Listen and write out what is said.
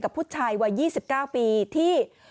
ผู้ชายวัย๒๙ปีที่